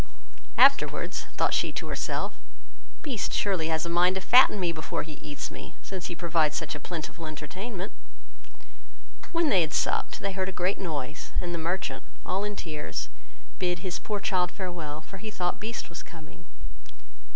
Afterwards, thought she to herself, "Beast surely has a mind to fatten me before he eats me, since he provides such a plentiful entertainment." When they had supped, they heard a great noise, and the merchant, all in tears, bid his poor child farewell, for he thought Beast was coming.